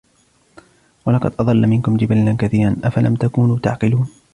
وَلَقَدْ أَضَلَّ مِنْكُمْ جِبِلًّا كَثِيرًا أَفَلَمْ تَكُونُوا تَعْقِلُونَ